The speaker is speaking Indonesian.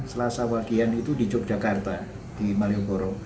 selasa bagian itu di yogyakarta di malioboro